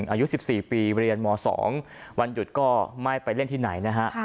อายุ๑๔ปีเรียนม๒วันหยุดก็ไม่ไปเล่นที่ไหนนะฮะ